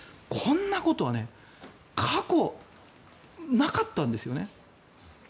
こんなことは過去なかったんですよね。